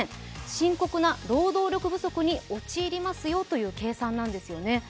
深刻な労働力不足に陥りますよという計算なんですね。